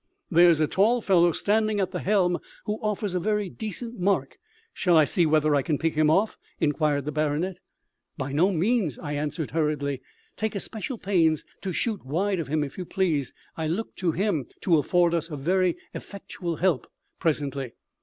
"There is a tall fellow standing at the helm who offers a very decent mark; shall I see whether I can pick him off?" inquired the baronet. "By no means," I answered hurriedly. "Take especial pains to shoot wide of him, if you please. I look to him to afford us very effectual help presently."